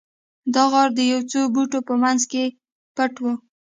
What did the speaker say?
دا غار د یو څو بوټو په مینځ کې پټ و